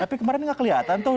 tapi kemarin nggak kelihatan tuh